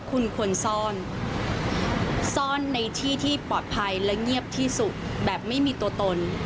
คุณควรซ่อนซ่อนในที่ที่ปลอดภัยและเงียบที่สุดแบบไม่มีตัวตน